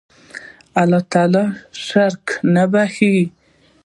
الله تعالی شرک نه بخښي